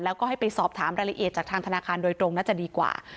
แล้วก็ให้ไปสอบถามรายละเอียดจากทางธนาคารโดยตรงน่าจะดีกว่า